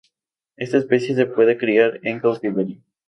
Esta especie se puede criar en cautiverio.